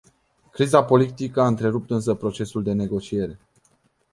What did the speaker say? Criza politică a întrerupt însă procesul de negociere.